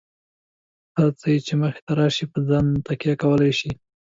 هر څه چې مخې ته راشي، په ځان تکیه کولای شئ.